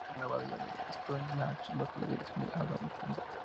Fue elaborado en la abadía de Echternach, bajo la dirección del abad Humbert.